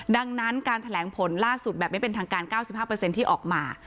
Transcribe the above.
ดังนั้นการแถลงผลล่าสุดแบบไม่เป็นทางการ๙๕ที่ออกมา